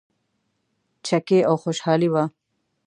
چکې او خوشحالي وه.